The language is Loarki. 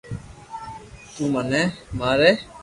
تو مني ماري